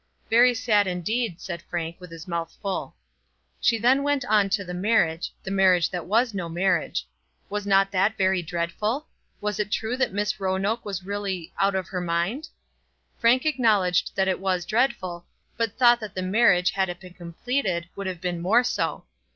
"Very sad indeed," said Frank with his mouth full. She then went on to the marriage, the marriage that was no marriage. Was not that very dreadful? Was it true that Miss Roanoke was really out of her mind? Frank acknowledged that it was dreadful, but thought that the marriage had it been completed would have been more so.